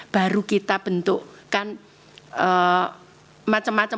baru kita bentukkan macam macam